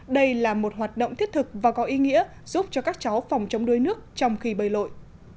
đây là một hoạt động thiết thực và có ý nghĩa giúp cho các cháu phòng chống đuối nước trong khi bơi lội